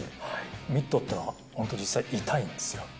ミットというのは、本当実際、痛いんですよ。